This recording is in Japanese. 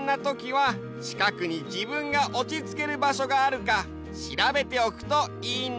はちかくに自分がおちつける場所があるかしらべておくといいんだよ。